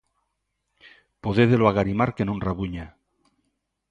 Podédelo agarimar que non rabuña